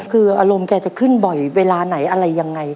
คืออารมณ์แกจะขึ้นบ่อยเวลาไหนอะไรยังไง